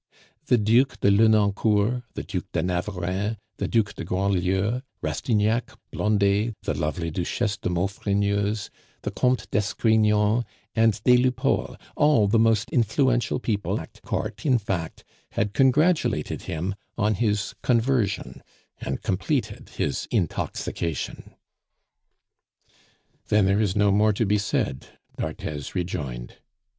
The Duc de Lenoncourt, the Duc de Navarreins, the Duc de Grandlieu, Rastignac, Blondet, the lovely Duchesse de Maufrigneuse, the Comte d'Escrignon, and des Lupeaulx, all the most influential people at Court in fact, had congratulated him on his conversion, and completed his intoxication. "Then there is no more to be said," d'Arthez rejoined.